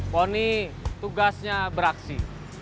fonny tugasnya beraksi